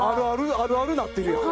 あるあるなってるやん。